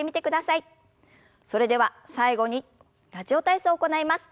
それでは最後に「ラジオ体操」を行います。